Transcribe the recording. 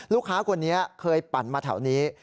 ลูกค้าคนนี้เคยปั่นมาแถวนี้